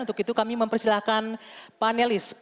untuk itu kami mempersilahkan panelis